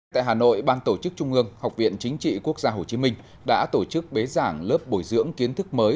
tại hà nội ban tổ chức trung ương học viện chính trị quốc gia hồ chí minh đã tổ chức bế giảng lớp bồi dưỡng kiến thức mới